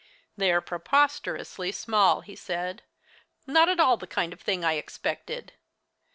"They are preposterously small," he said "not at all the kind of thing I expected.